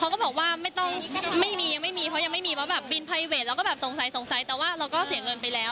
ก็บอกว่าไม่ต้องไม่มียังไม่มีเขายังไม่มีว่าแบบบินไพเวทเราก็แบบสงสัยสงสัยแต่ว่าเราก็เสียเงินไปแล้ว